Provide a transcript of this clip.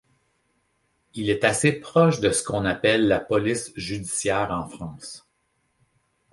Il est assez proche de ce qu'on appelle la police judiciaire en France.